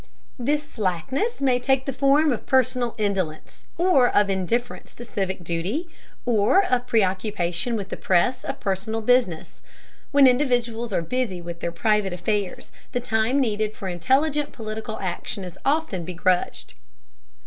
This slackness may take the form of personal indolence, or of indifference to civic duty, or of preoccupation with the press of personal business. When individuals are busy with their private affairs the time needed for intelligent political action is often begrudged.